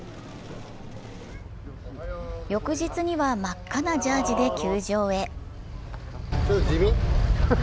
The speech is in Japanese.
翌日には真っ赤なジャージーで球場へ。